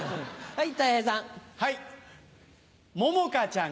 はい。